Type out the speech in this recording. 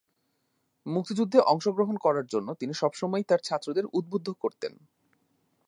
মুক্তিযুদ্ধে অংশগ্রহণ করার জন্য তিনি সবসময়ই তার ছাত্রদের উদ্বুদ্ধ করতেন।